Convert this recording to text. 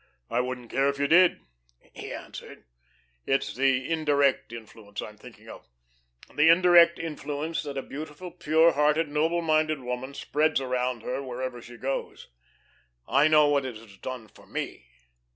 "I wouldn't care if you did," he answered. "It's the indirect influence I'm thinking of the indirect influence that a beautiful, pure hearted, noble minded woman spreads around her wherever she goes. I know what it has done for me.